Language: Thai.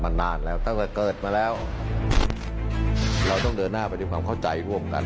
นานแล้วตั้งแต่เกิดมาแล้วเราต้องเดินหน้าไปด้วยความเข้าใจร่วมกัน